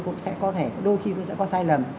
cũng sẽ có thể đôi khi nó sẽ có sai lầm